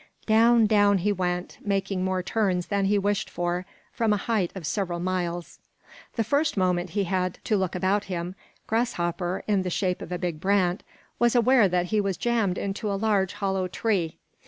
Down, down he went, making more turns than he wished for, from a height of several miles. The first moment he had to look about him, Grasshopper, in the shape of a big brant, was aware that he was jammed into a large hollow tree.